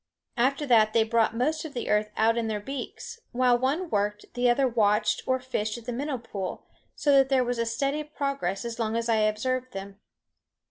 After that they brought most of the earth out in their beaks. While one worked, the other watched or fished at the minnow pool, so that there was steady progress as long as I observed them.